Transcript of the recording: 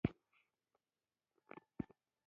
اديبانو ګران صاحب په زړه کښې کښينولی وو